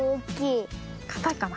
かたいかな？